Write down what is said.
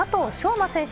馬選手。